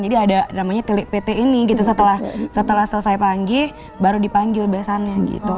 jadi ada namanya tilik pt ini gitu setelah selesai panggil baru dipanggil besannya gitu